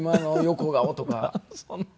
そんな。